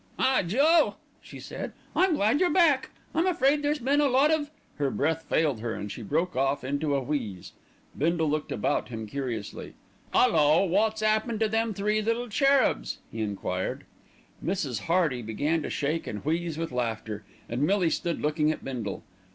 "Ah! Joe," she said, "I'm glad you're back. I'm afraid there's been a lot of " Her breath failed her, and she broke off into a wheeze. Bindle looked about him curiously. "'Ullo! wot's 'appened to them three little cherubs?" he enquired. Mrs. Hearty began to shake and wheeze with laughter, and Millie stood looking at Bindle.